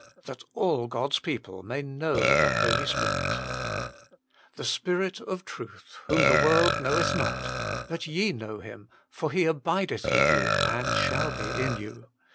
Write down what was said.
tlhat all (Bou a people ntajr hnoio the Spirit "The Spirit of truth, whom the world knoweth not; but ye know Him ; for He abideth with you, and shall be in you.